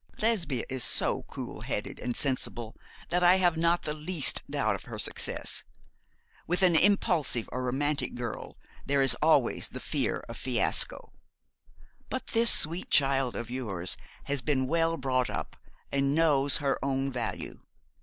'Lesbia is so cool headed and sensible that I have not the least doubt of her success. With an impulsive or romantic girl there is always the fear of a fiasco. But this sweet child of yours has been well brought up, and knows her own value.